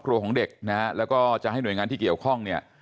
ของเด็กนะฮะแล้วก็จะให้หน่วยงานที่เกี่ยวข้องเนี่ย